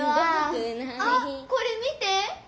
あっこれ見て！